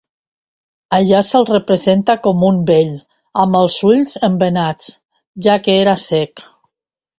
Allà se'l representa com un vell amb els ulls embenats, ja que era cec.